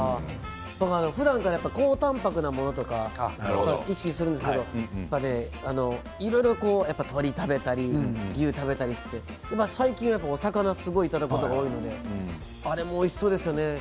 ふだんから高たんぱくなものを意識するんですけれどいろいろと鶏を食べたり牛を食べたり最近はやっぱりお魚をすごく食べることが多いのであれもおいしそうですね。